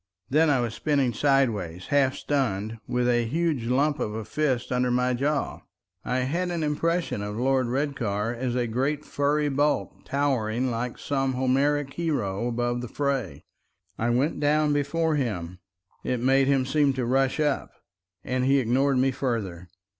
Then I was spinning sideways, half stunned, with a huge lump of a fist under my jaw. I had an impression of Lord Redcar as a great furry bulk, towering like some Homeric hero above the fray. I went down before him—it made him seem to rush up—and he ignored me further.